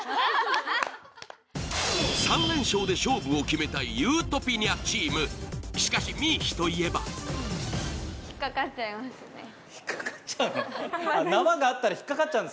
３連勝で勝負を決めたいゆーとぴにゃチームしかしＭＩＩＨＩといえば引っかかっちゃうの？